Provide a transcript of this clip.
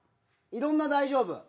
いろんな「大丈夫」。